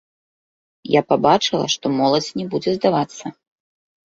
Я пабачыла, што моладзь не будзе здавацца.